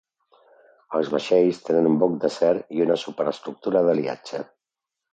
Els vaixells tenen un buc d'acer i una superestructura d'aliatge.